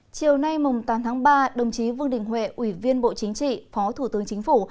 chiều nay tám tháng ba đồng chí vương đình huệ ủy viên bộ chính trị phó thủ tướng chính phủ